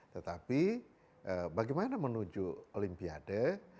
tetapi bagaimana menuju olimpiade